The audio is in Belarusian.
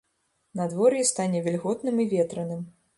Надвор'е стане вільготным і ветраным.